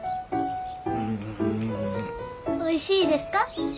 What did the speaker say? おいしいですか？